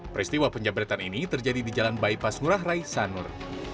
peristiwa penjabretan ini terjadi di jalan bypass ngurah rai sanur